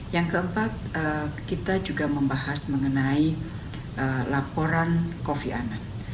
yang keempat kita juga membahas mengenai laporan kofi anand